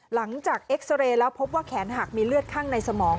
หลังจากเอ็กซาเรย์แล้วพบว่าแขนหักมีเลือดข้างในสมอง